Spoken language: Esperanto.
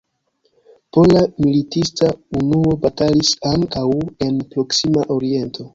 Pola militista unuo batalis ankaŭ en Proksima Oriento.